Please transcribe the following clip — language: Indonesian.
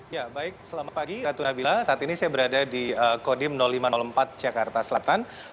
ya baik selamat pagi ratu nabila saat ini saya berada di kodim lima ratus empat jakarta selatan